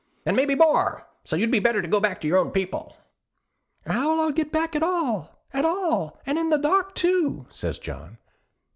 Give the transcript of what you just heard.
'And maybe more, so you would better go back to your own people.' 'How'll I get back at all, at all, an' in the dark, too?' says John.